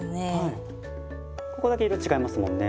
ここだけ色違いますもんね。